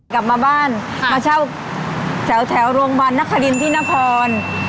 กลับมาบ้านมาเช่าแถวโรงพยาบาลนครินที่นคร